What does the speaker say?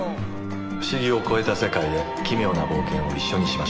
「不思議」を超えた世界へ「奇妙」な冒険を一緒にしましょう。